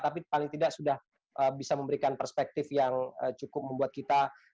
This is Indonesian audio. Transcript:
tapi paling tidak sudah bisa memberikan perspektif yang cukup membuat kita